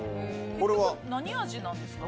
何味なんですか？